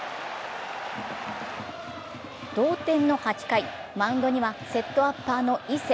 同点の８回、マウンドにはセットアッパーの伊勢。